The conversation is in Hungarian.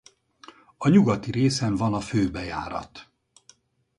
A nyugati részen van a főbejárat.